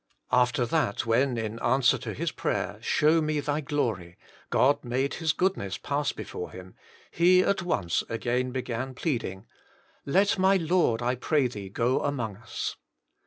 After that, when in answer to his prayer, " Show me Thy glory," God made His goodness pass before him, he at once again began pleading, " Let my Lord, I pray Thee, go among us."